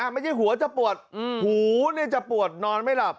ไม่ใช่หัวจะปวดหูจะปวดนอนไม่หลับ